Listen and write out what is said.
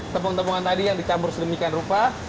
tepung tepungan tadi yang dicampur sedemikian rupa